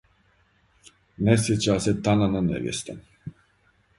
Не сјећа се танана невјеста,